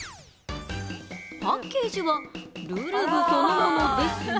パッケージは「るるぶ」そのものですが、